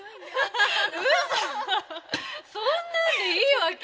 嘘そんなんでいいわけ？